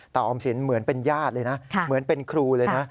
ออมสินเหมือนเป็นญาติเลยนะเหมือนเป็นครูเลยนะ